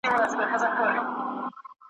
دا په وينو کي غوريږي `